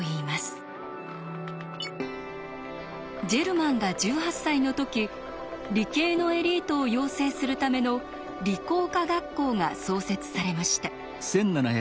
ジェルマンが１８歳の時理系のエリートを養成するための「理工科学校」が創設されました。